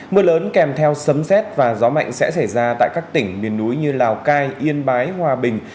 mưa lớn kèm theo sấm xét và gió mạnh sẽ xảy ra tại các tỉnh miền núi như lào cai yên bái hòa bình